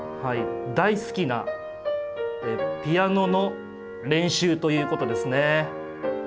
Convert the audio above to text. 大好きなピアノの練習ということですね。